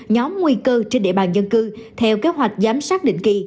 nhóm nguy cơ trên địa bàn dân cư theo kế hoạch giám sát định kỳ